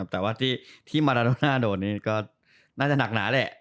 แต่ว่าที่มาโลน่าก็โดดน่าจะหนักหนาเนี่ย